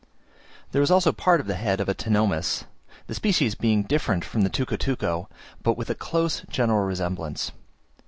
There was also part of the head of a Ctenomys; the species being different from the Tucutuco, but with a close general resemblance.